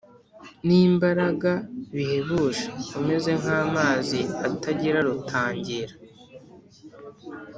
N imbaraga bihebuje umeze nk amazi atagira rutangira